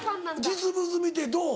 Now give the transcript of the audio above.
実物見てどう？